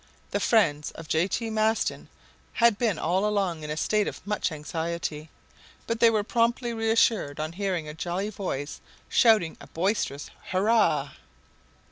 The friends of J. T. Maston had been all along in a state of much anxiety; but they were promptly reassured on hearing a jolly voice shouting a boisterous hurrah.